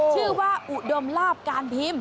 ชื่อว่าอุดมลาบการพิมพ์